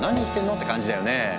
って感じだよねえ。